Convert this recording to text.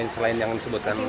selain yang disebutkan